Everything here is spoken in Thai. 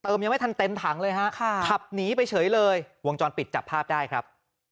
ยังไม่ทันเต็มถังเลยฮะค่ะขับหนีไปเฉยเลยวงจรปิดจับภาพได้ครับ